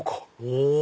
お！